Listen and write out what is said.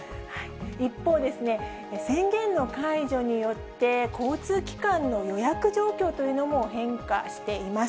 一方で、宣言の解除によって、交通機関の予約状況というのも変化しています。